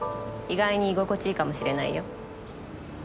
意外に居心地いいかもしれないよ。